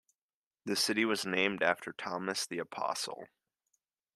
The city was named after Thomas the Apostle.